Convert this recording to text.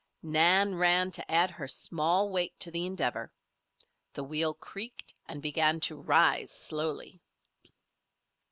Nan ran to add her small weight to the endeavor. The wheel creaked and began to rise slowly.